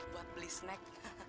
buat beli snack